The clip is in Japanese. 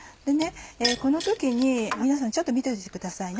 この時に皆さんちょっと見ててください。